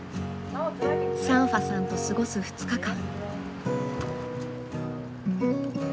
サンファさんと過ごす２日間。